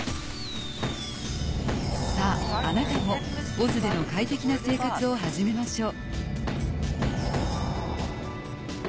さぁあなたもＯＺでの快適な生活を始めましょう。